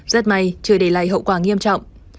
rất may chưa để lại hậu quả nghiêm trọng